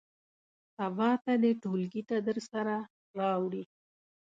سبا ته دې ټولګي ته درسره راوړي.